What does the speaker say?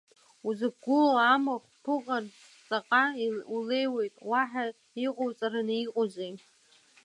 Узықәгылоу амахә ԥуҟар ҵаҟа улеиуеит, уаҳа иҟоуҵараны иҟоузеи!